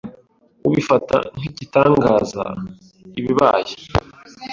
ubifata nk’igitangaza ibabaye